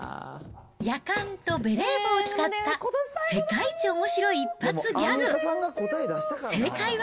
やかんとベレー帽を使った世界一おもしろい一発ギャグ、正解は？